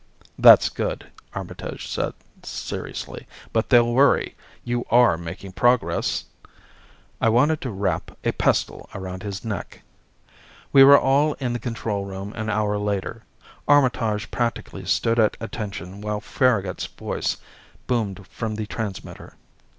"That's good," Armitage said seriously. "But they'll worry. You are making progress?" I wanted to wrap a pestle around his neck. We were all in the control room an hour later. Armitage practically stood at attention while Farragut's voice boomed from the transmitter.